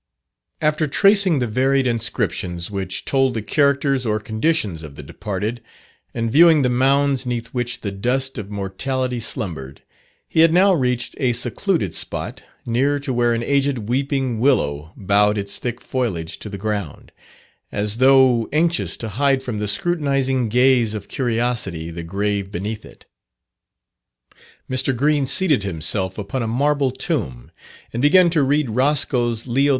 After tracing the varied inscriptions which told the characters or conditions of the departed, and viewing the mounds 'neath which the dust of mortality slumbered, he had now reached a secluded spot, near to where an aged weeping willow bowed its thick foliage to the ground, as though anxious to hide from the scrutinizing gaze of curiosity the grave beneath it. Mr. Green seated himself upon a marble tomb, and began to read Roscoe's Leo X.